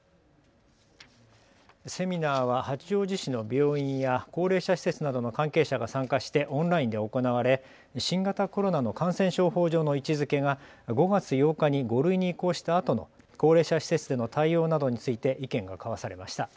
セミナーは八王子市の病院や高齢者施設などの関係者が参加してオンラインで行われ新型コロナの感染症法上の位置づけが５月８日に５類に移行したあとの高齢者施設での対応などについて意見が交わされました。